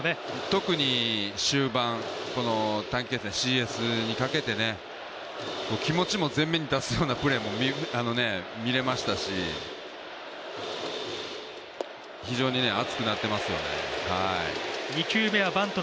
特に終盤、短期決戦ＣＳにかけてね気持ちも前面に出すようなプレーも見れましたし非常に熱くなっていますよね。